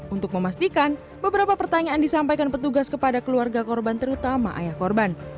untuk memastikan beberapa pertanyaan disampaikan petugas kepada keluarga korban terutama ayah korban